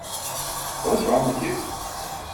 What is wrong with you?